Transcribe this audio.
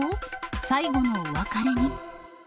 最後のお別れに。